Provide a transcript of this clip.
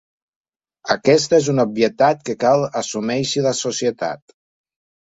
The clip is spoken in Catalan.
Aquesta és una obvietat que cal assumeixi la societat.